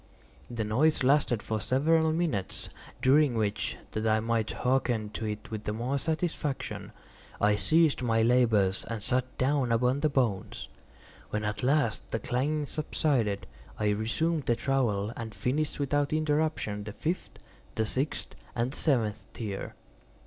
The noise lasted for several minutes, during which, that I might hearken to it with the more satisfaction, I ceased my labors and sat down upon the bones. When at last the clanking subsided, I resumed the trowel, and finished without interruption the fifth, the sixth, and the seventh tier.